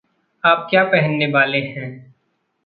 आप क्या पहनने वाले हैं?